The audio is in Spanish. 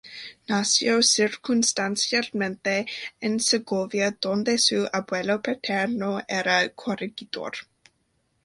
Nació circunstancialmente en Segovia, donde su abuelo paterno era corregidor.